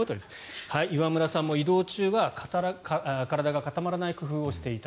岩村さんも移動中は体が固まらない工夫をしていた。